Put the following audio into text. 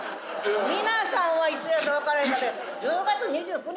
皆さんはいつやか分かれへんかて１０月２９日